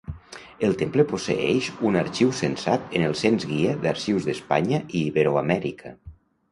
El temple posseeix un arxiu censat en el Cens-guia d'Arxius d'Espanya i Iberoamèrica.